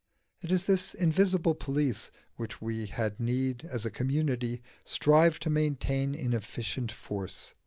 And it is this invisible police which we had need, as a community, strive to maintain in efficient force.